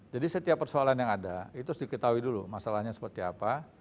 jadi setiap persoalan yang ada itu diketahui dulu masalahnya seperti apa